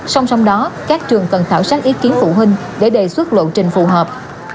song song đó các trường cần khảo sát ý kiến phụ huynh để đề xuất lộ trình phù hợp